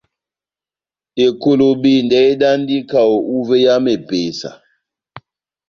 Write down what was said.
Ekolobendɛ edandi kaho uvé ya mepesa.